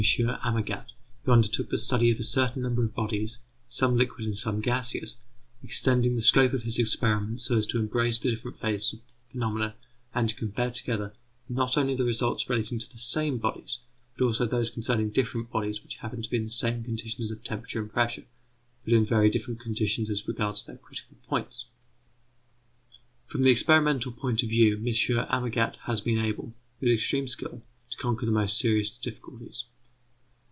Amagat, who undertook the study of a certain number of bodies, some liquid and some gaseous, extending the scope of his experiments so as to embrace the different phases of the phenomena and to compare together, not only the results relating to the same bodies, but also those concerning different bodies which happen to be in the same conditions of temperature and pressure, but in very different conditions as regards their critical points. From the experimental point of view, M. Amagat has been able, with extreme skill, to conquer the most serious difficulties.